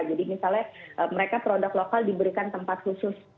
jadi misalnya mereka produk lokal diberikan tempat khusus